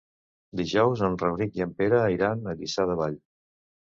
Dijous en Rauric i en Pere iran a Lliçà de Vall.